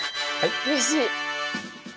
うれしい！